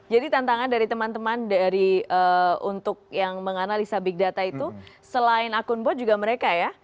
jadi tantangan dari teman teman dari untuk yang menganalisa big data itu selain akun bot juga mereka ya